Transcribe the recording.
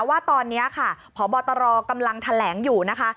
ว่าตอนนี้ค่ะพบตรกำลังแถลงอยู่นะคะ